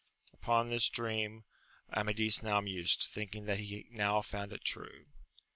Upon this dream Amadis now mused, thinking that he now found it true.